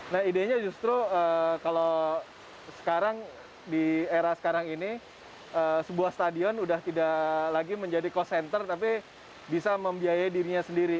nah idenya justru kalau sekarang di era sekarang ini sebuah stadion sudah tidak lagi menjadi cost center tapi bisa membiayai dirinya sendiri